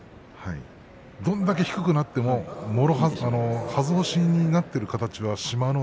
どんなに低くなってもはず押しになってる形は志摩ノ